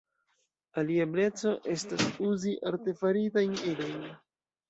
Alia ebleco estas uzi artefaritajn ilojn.